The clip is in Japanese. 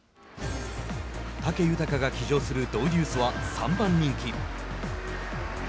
武豊が騎乗するドウデュースは３番人気。